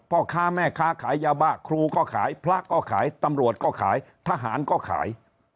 พ่อค้าแม่ค้าขายยาบ้าครูก็ขายพระก็ขายตำรวจก็ขายทหารก็ขาย